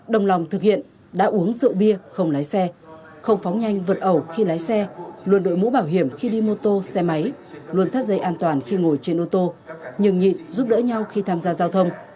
đồng lòng thực hiện đã uống rượu bia không lái xe không phóng nhanh vượt ẩu khi lái xe luôn đội mũ bảo hiểm khi đi mô tô xe máy luôn thắt dây an toàn khi ngồi trên ô tô nhường nhịn giúp đỡ nhau khi tham gia giao thông